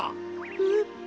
えっ？